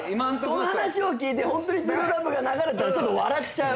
その話を聞いてホントに『ＴＲＵＥＬＯＶＥ』が流れたらちょっと笑っちゃう。